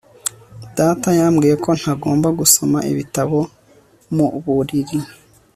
Data yambwiye ko ntagomba gusoma ibitabo mu buriri